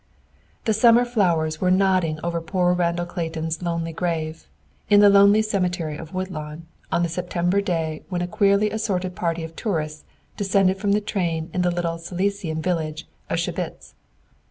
The summer flowers were nodding over poor Randall Clayton's lonely grave, in the lonely cemetery of Woodlawn, on the September day when a queerly assorted party of tourists descended from the train in the little Silesian village of Schebitz.